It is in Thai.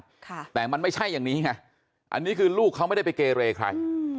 ค่ะแต่มันไม่ใช่อย่างนี้ไงอันนี้คือลูกเขาไม่ได้ไปเกเรใครอืม